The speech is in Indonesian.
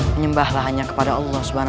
menyembahlah hanya kepada allah swt